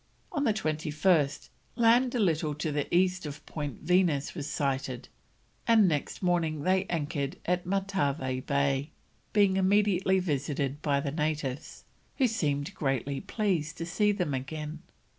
On the 21st, land a little to the east of Point Venus was sighted, and next morning they anchored in Matavai Bay, being immediately visited by the natives, who seemed greatly pleased to see them again.